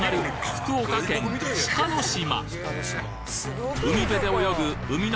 福岡県志賀島